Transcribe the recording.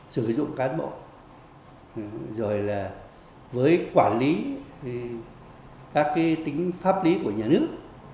sử dụng cán bộ rồi là với quản lý các tính pháp lý của nhà nước